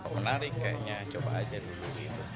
menarik kayaknya coba aja dulu gitu